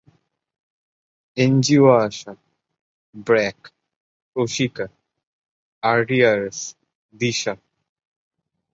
NGO ASA, BRAC, Proshika, RDRS, Disha.